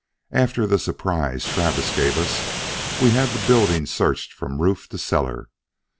After the surprise Travis gave us we had the building searched from roof to cellar.